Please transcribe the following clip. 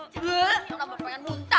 jangan ini orang bapak yang muntah